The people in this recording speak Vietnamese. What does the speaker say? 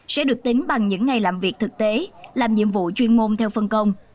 sẽ được tính bằng những ngày làm việc thực tế làm nhiệm vụ chuyên môn theo phân công